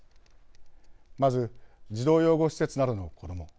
まず、児童養護施設などの子ども。